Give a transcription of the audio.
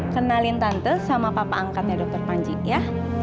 kenalin tante sama papa angkatnya dokter panji ya